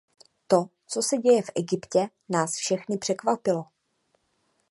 To, co se děje v Egyptě, nás všechny překvapilo.